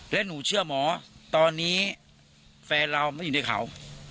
และหนูเชื่อหมอตอนนี้แฟนเราไม่อยู่ในเขา